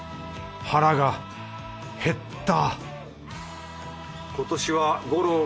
腹がへった。